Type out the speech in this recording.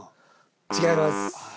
違います。